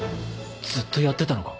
ずっとやってたのか？